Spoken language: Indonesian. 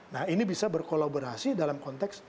nah ini bisa berkolaborasi dalam konteks